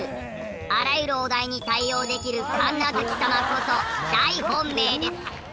あらゆるお題に対応できる神奈月様こそ大本命です。